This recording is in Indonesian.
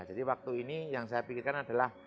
jadi waktu ini yang saya pikirkan adalah